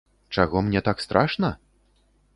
Чаго мне так страшна?